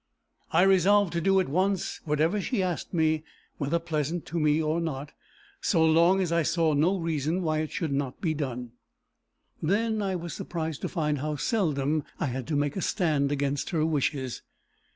I resolved to do at once whatever she asked me, whether pleasant to me or not, so long as I saw no reason why it should not be done. Then I was surprised to find how seldom I had to make a stand against her wishes.